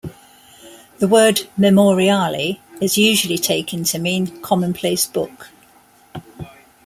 The word "Memoriale" is usually taken to mean "commonplace book.